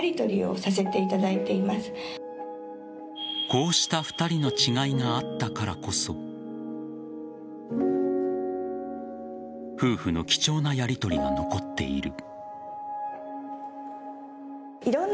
こうした２人の違いがあったからこそ夫婦の貴重なやりとりが残っている。